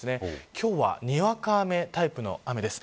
今日はにわか雨タイプの雨です。